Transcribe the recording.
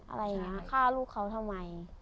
อะไรอย่างนี้ฆ่าลูกเขาทำไม